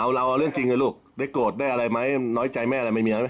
เอาเราเอาเรื่องจริงนะลูกได้โกรธได้อะไรไหมน้อยใจแม่อะไรไม่มีอะไรไหม